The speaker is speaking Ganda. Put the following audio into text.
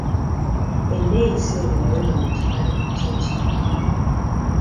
Enneyisa eno yayonoona ekifaananyi ky'ekibiina.